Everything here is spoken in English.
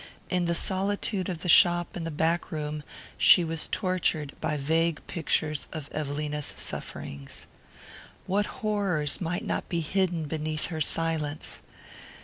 In the solitude of the shop and the back room she was tortured by vague pictures of Evelina's sufferings. What horrors might not be hidden beneath her silence?